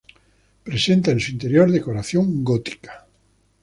Presenta en su interior decoración gótica.